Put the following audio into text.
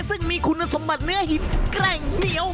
ซึ่งมีคุณสมบัติเนื้อหินแกร่งเหนียว